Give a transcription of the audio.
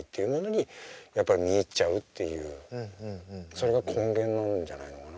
それが根源なんじゃないのかな。